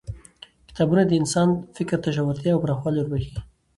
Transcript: کتابونه د انسان فکر ته ژورتیا او پراخوالی وربخښي